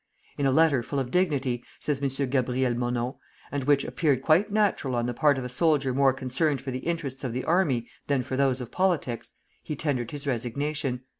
"In a letter full of dignity," says M. Gabriel Monod, "and which appeared quite natural on the part of a soldier more concerned for the interests of the army than for those of politics, he tendered his resignation.